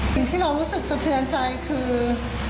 สิ่งที่เรารู้สึกสะเทือนใจคือ